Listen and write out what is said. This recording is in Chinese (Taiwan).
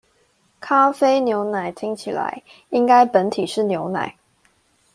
咖啡牛奶聽起來，應該本體是牛奶